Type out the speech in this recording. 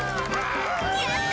やった！